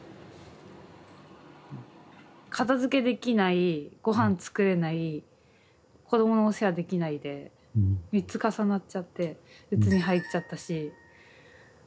片づけできないごはん作れない子どものお世話できないで３つ重なっちゃってやばくて。